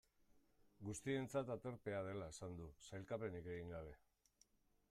Guztientzat aterpea dela esan du, sailkapenik egin gabe.